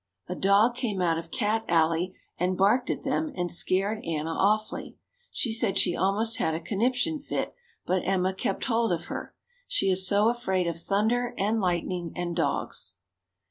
A dog came out of Cat Alley and barked at them and scared Anna awfully. She said she almost had a conniption fit but Emma kept hold of her. She is so afraid of thunder and lightning and dogs.